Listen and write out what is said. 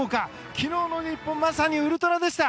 昨日の日本まさにウルトラでした！